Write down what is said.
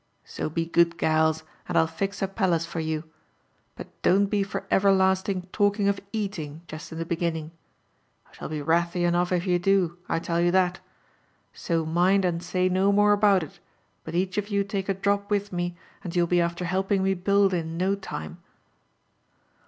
''So be good gals, and I'll fix a palace for you ; but .don't be for everlasting talking of eating, jest in the beginning, — 1 shall be wrathy enough if you do, I tell you tha,t : so mind and say no more about it, but each of you. take a drop with me, and you'll be after helping me build in no time."